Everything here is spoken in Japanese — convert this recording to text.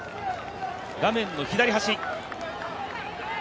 画面の左端。